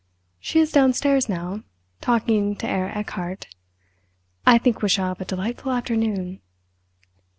She is downstairs now, talking to Herr Erchardt. I think we shall have a delightful afternoon."